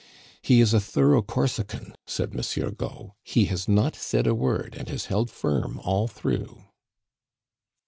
"He is a thorough Corsican," said Monsieur Gault; "he has not said a word, and has held firm all through."